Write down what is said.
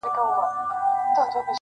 o نور به د کابل دحُسن غله شړو,